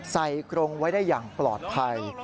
กรงไว้ได้อย่างปลอดภัย